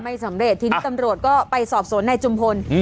ไม่สำเร็จทีนี้ตำรวจก็ไปสอบสวนนายจุมพล